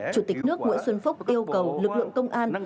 chủ tịch nước nguyễn xuân phúc yêu cầu lực lượng công an